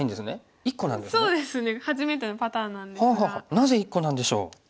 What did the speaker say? なぜ１個なんでしょう？